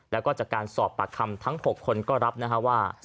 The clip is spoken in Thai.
แล้วก็จากการสอบปากคำทั้ง๖คนก็รับนะฮะว่า